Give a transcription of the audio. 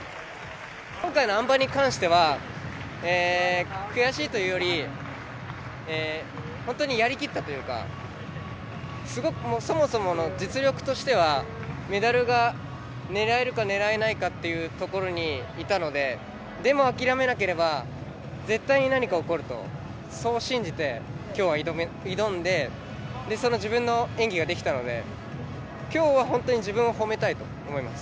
今回のあん馬に関しては悔しいというより、本当にやりきったというか、そもそもの実力としては、メダルが狙えるか狙えないかっていうところにいたので、でもあきらめなければ、絶対に何か起こる、そう信じて、今日は挑んで自分の演技ができたので、今日は本当に自分を褒めたいと思います。